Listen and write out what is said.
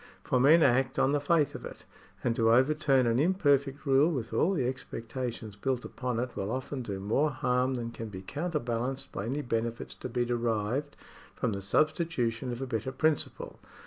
For men act on the faith of it ; and to overturn an imperfect rule with all the expectations built upon it will often do more harm than can be counterbalanced by any benefits to be derived from the substitution of a better principle.